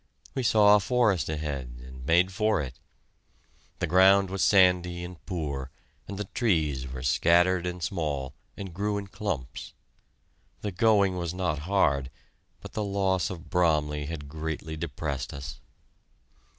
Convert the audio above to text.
We saw a forest ahead, and made for it. The ground was sandy and poor, and the trees were scattered and small, and grew in clumps. The going was not hard, but the loss of Bromley had greatly depressed us.